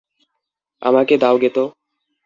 আমাকে দাও গেতো।